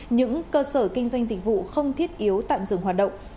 những cơ sở kinh doanh dịch vụ không thiết yếu tạm dừng hoạt động